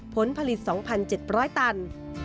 ผลผลิต๒๗๐๐ตัน